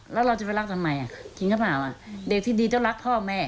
แล้วเราจะไปรักทำไมกินข้าวเปล่าเด็กที่ดีต้องรักพ่อแม่